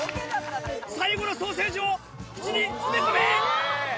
最後のソーセージを口に詰め込み。